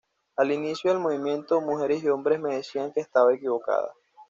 Al inicio del movimiento, mujeres y hombres me decían que estaba equivocada.